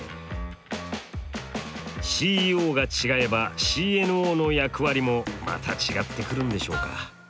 ＣＥＯが違えばＣＮＯの役割もまた違ってくるんでしょうか。